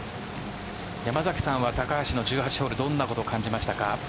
山崎さんは高橋の１８ホールどんなことを感じましたか。